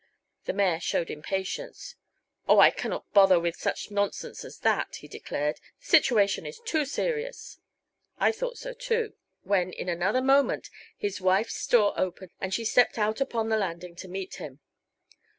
The mayor showed impatience. "Oh, I can not bother with such nonsense as that," he declared; "the situation is too serious." I thought so, too, when in another moment his wife's door opened and she stepped out upon the landing to meet him.